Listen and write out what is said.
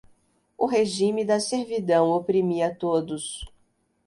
o regime da servidão oprimia todos